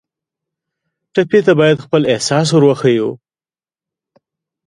ټپي ته باید خپل احساس ور وښیو.